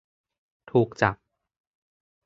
ถูกจับ